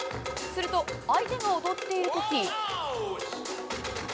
すると、相手が踊っているとき。